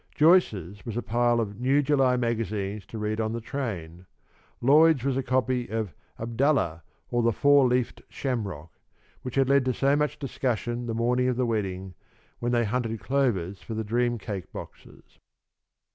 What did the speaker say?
Joyce's was a pile of new July magazines to read on the train. Lloyd's was a copy of "Abdallah, or the Four leaved Shamrock," which had led to so much discussion the morning of the wedding, when they hunted clovers for the dream cake boxes.